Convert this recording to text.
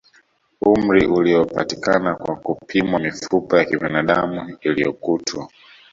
Umri uliopatikana kwa kupimwa mifupa ya kibinadamu iliyokutwa